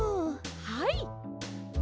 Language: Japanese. はい！